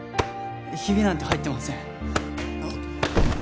ヒビなんて入ってません。